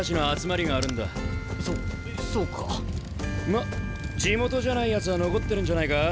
まっ地元じゃないやつは残ってるんじゃないか？